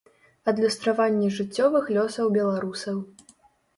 Адлюстраванне жыццёвых лёсаў беларусаў.